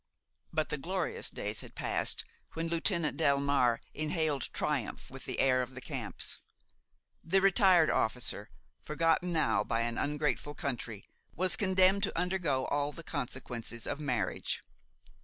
But the glorious days had passed, when Lieutenant Delmare inhaled triumph with the air of the camps; the retired officer, forgotten now by an ungrateful country, was condemned to undergo all the consequences of marriage.